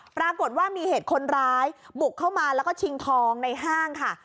ปรากฏว่ามีเหตุคนร้ายบุกเข้ามาแล้วก็ชิงทองในห้างค่ะ